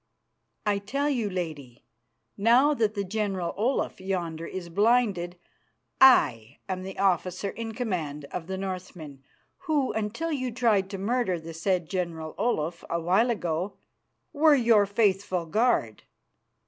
"I'll tell you, Lady. Now that the General Olaf yonder is blinded I am the officer in command of the Northmen, who, until you tried to murder the said General Olaf a while ago, were your faithful guard.